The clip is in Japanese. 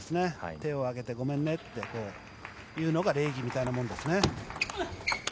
手を上げてごめんねというのが礼儀みたいなもんですね。